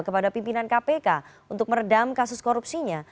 kepada pimpinan kpk untuk meredam kasus korupsinya